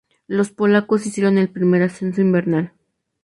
Los polacos hicieron el primer ascenso invernal.